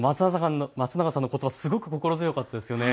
松永さんのことば、すごく心強かったですよね。